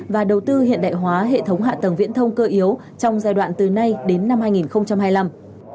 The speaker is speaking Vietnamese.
và đầu tư hiện đại hóa hệ thống hạ tầng viễn thông cơ yếu trong giai đoạn từ nay đến năm hai nghìn hai mươi năm